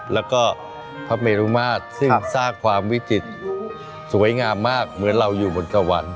แล้วก็พระเมรุมาตรซึ่งสร้างความวิจิตรสวยงามมากเหมือนเราอยู่บนสวรรค์